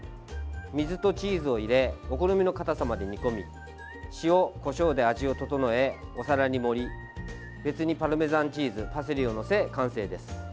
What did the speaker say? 水とチーズを入れお好みのかたさまで煮込み塩、こしょうで味を調えお皿に盛り別にパルメザンチーズパセリを載せ、完成です。